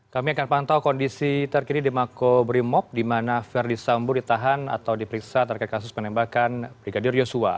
kami akan pantau kondisi terkini di makobrimob di mana verdi sambo ditahan atau diperiksa terkait kasus penembakan brigadir yosua